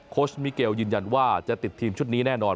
ชมิเกลยืนยันว่าจะติดทีมชุดนี้แน่นอน